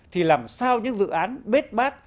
thì làm sao những dự án bết bát